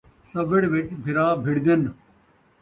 سوّڑ وچ بھرا بھڑدن